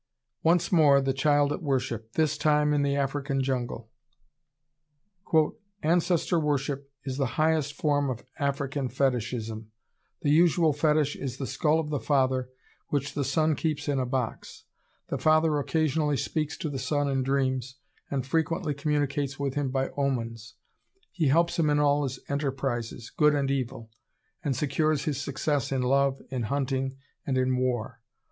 ] Once more the Child at Worship, this time in the African jungle! "Ancestor worship is the highest form of African Fetishism, the usual fetish is the skull of the father, which the son keeps in a box. The father occasionally speaks to the son in dreams, and frequently communicates with him by omens. He helps him in all his enterprises, good and evil, and secures his success in love, in hunting, and in war.